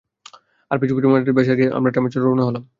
তার পিছু পিছু মাঝরাতের বেশ আগেই আমরা ট্রামে চড়ে রওনা হলাম।